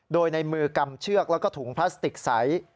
โดยในมือกำเชือกแล้วก็ถุงพลาสติกใส